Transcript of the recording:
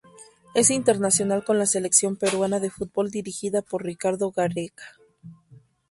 Es internacional con la Selección Peruana de fútbol dirigida por Ricardo Gareca.